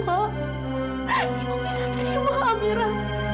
kamu bisa terima amira